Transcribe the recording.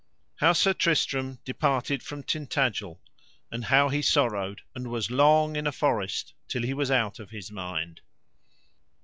How Sir Tristram departed from Tintagil, and how he sorrowed and was so long in a forest till he was out of his mind.